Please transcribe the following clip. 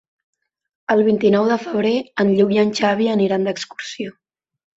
El vint-i-nou de febrer en Lluc i en Xavi aniran d'excursió.